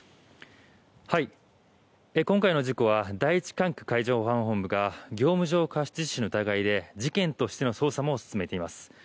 今回の事故は第一管区海上保安本部が業務上過失致死の疑いで事件としての捜査も進めています。